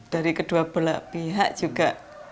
dari kedua belah pihak juga